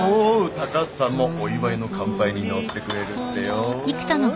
高橋さんもお祝いの乾杯に乗ってくれるってよ。